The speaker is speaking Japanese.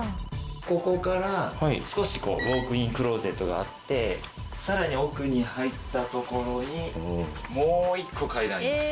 ここから少しこうウォークインクローゼットがあってさらに奥に入った所にもう１個階段あります。